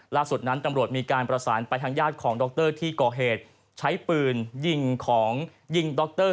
ล่าสุดนั้นตำรวจมีการประสานไปทางญาติของดรที่ก่อเหตุใช้ปืนยิงของยิงดร